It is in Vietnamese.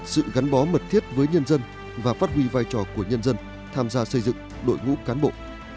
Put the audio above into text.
sự gắn bó mật thiết với nhân dân và phát huy vai trò của nhân dân tham gia xây dựng đội ngũ cán bộ